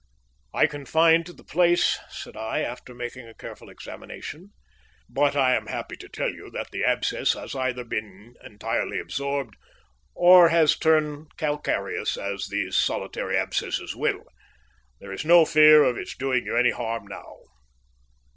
"I can find the place," said I, after making a careful examination; "but I am happy to tell you that the abscess has either been entirely absorbed, or has turned calcareous, as these solitary abscesses will. There is no fear of its doing you any harm now."